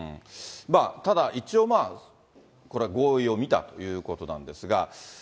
ただ一応、これ、合意を見たということなんですが。